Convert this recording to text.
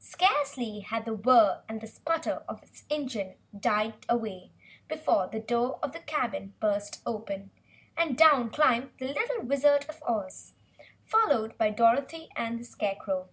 Scarcely had the whirr and sputter of its engine died away before the door of the cabin burst open and down climbed the little Wizard of Oz, followed by Dorothy and the Scarecrow.